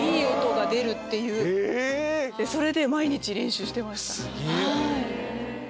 それで毎日練習してました